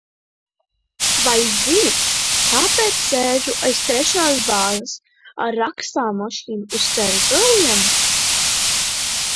Vai zini, kāpēc sēžu aiz trešās bāzes ar rakstāmmašīnu uz ceļgaliem?